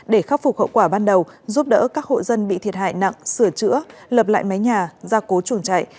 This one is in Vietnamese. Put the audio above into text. để khắc phục hậu quả ban đầu giúp đỡ các hộ dân bị thiệt hại nặng sửa chữa lập lại mái nhà ra cố chuồng chạy